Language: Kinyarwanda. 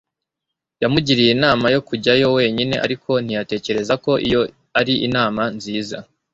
yamugiriye inama yo kujyayo wenyine, ariko ntiyatekereza ko iyo ari inama nziza